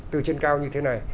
từ trên cao như thế này